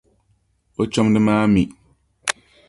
O chomdi ma mi.